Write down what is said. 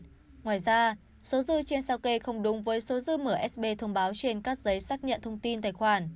ngoài ra số dư trên sao kê không đúng với số dư msb thông báo trên các giấy xác nhận thông tin tài khoản